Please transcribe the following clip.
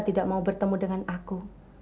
tidak mau bertemu dengan aku